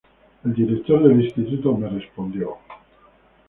el director del instituto me respondió